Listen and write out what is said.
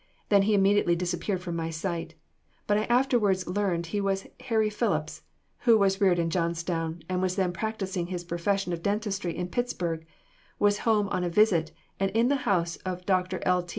Then he immediately disappeared from my sight; but I afterward learned he was Harry Philips, who was reared in Johnstown, was then practicing his profession of dentistry in Pittsburg; was home on a visit, and in the house of Dr. L.